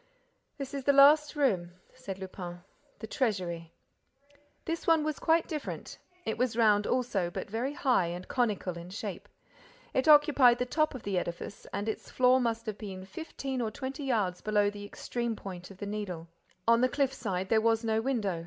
"This is the last room," said Lupin. "The treasury." This one was quite different. It was round also, but very high and conical in shape. It occupied the top of the edifice and its floor must have been fifteen or twenty yards below the extreme point of the Needle. On the cliff side there was no window.